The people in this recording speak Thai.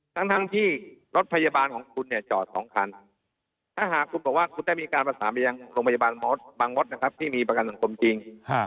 ทั้งที่รถพยาบาลของคุณเนี่ยจอด๒คันถ้าหากคุณบอกว่าคุณได้มีการประสานไปยังโรงพยาบาลมดบางมดนะครับที่มีประกันสังคมจริง